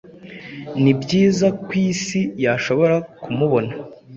Nibyiza kwisi yashoboye kumubona